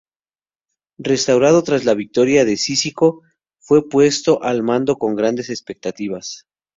Restaurado tras la victoria de Cícico, fue puesto al mando con grandes expectativas.